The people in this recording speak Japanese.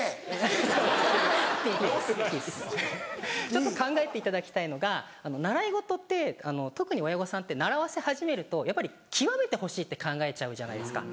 ちょっと考えていただきたいのが習い事って特に親御さんって習わせ始めるとやっぱり極めてほしいって考えちゃうじゃないですか。